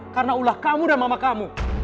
karena ulah kamu dan mama kamu